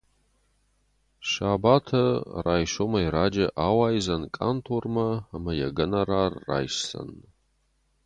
Сабаты райсомӕй раджы ауайдзӕн къантормӕ ӕмӕ йӕ гонорар райсдзӕн.